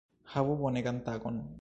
Havu bonegan tagon